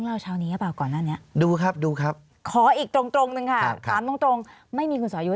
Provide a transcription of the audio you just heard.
อาจารย์ถามตรงค่ะ